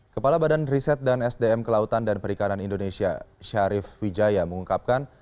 kepala badan riset dan sdm kelautan dan perikanan indonesia syarif wijaya mengungkapkan